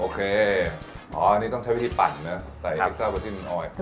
โอเคอันนี้ต้องใช้วิธีปั่นนะใส่อิกซาวาซินออยล์